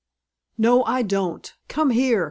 "No, I don't! Come here!